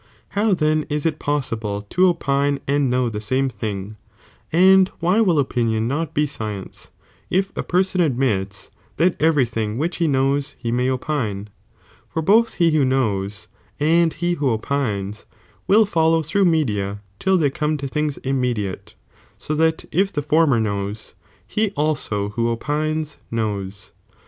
How then is it possihlef to opine and know tTiyisri the same thing, and why will opinion not be sci ^l^fij^' ence^ if a person admits that every thing which eet,""iti he knows he may opine ? for both he who knows ¥^tu»idBsk and he who opines will follow through media till j^'H^i"'',"' theycome to things immediate, so that if the former u ioquitj knows, he also who opines knows.